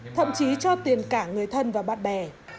thậm chí cho tiền cả người thân và bạn bè